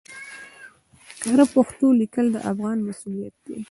کره پښتو ليکل د افغان مسؤليت دی